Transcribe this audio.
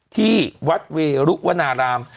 ที่วัดเวรุวนาราม